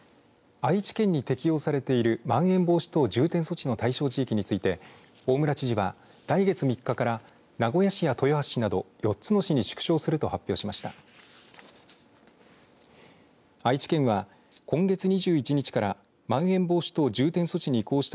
愛知県に適用されているまん延防止等重点措置の対象地域について大村知事は来月３日から名古屋市や豊橋市など４つの市に縮小すると発表しました。